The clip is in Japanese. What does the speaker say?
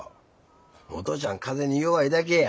お父ちゃん風邪に弱いだけや。